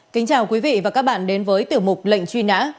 kính chào quý vị và các bạn đến với tiểu mục lệnh truy nã